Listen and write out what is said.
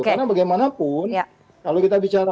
karena bagaimanapun kalau kita bicara